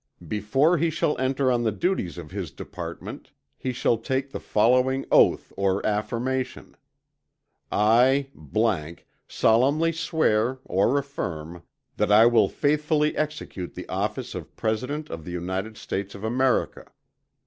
Before he shall enter on the duties of his department, he shall take the following Oath or Affirmation, "I solemnly swear, (or affirm) that I will faithfully execute the Office of President of the United States of America."